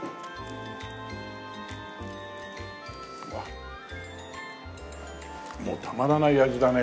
うわっもうたまらない味だね。